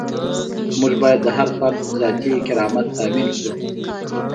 موږ باید د هر فرد ذاتي کرامت تامین کړو.